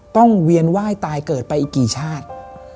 เวียนไหว้ตายเกิดไปอีกกี่ชาติ